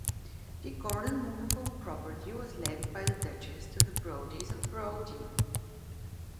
The Gordon "moveable" property was left by the Duchess to the Brodies of Brodie.